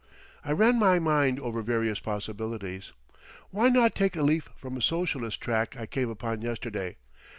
I ran my mind over various possibilities. "Why not take a leaf from a socialist tract I came upon yesterday.